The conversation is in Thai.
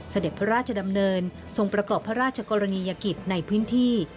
เสด็จพระราชดำเนินทรงประกอบพระราชกรณียกิจในพื้นที่